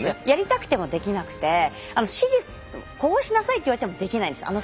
やりたくてもできなくてこうしなさいって言われてもできないんです。